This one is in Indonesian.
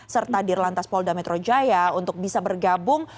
serta dir lantas polda metro jaya untuk bisa bergabung